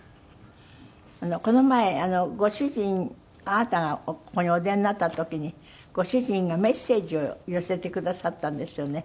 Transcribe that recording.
この前ご主人あなたがここにお出になった時にご主人がメッセージを寄せてくださったんですよね。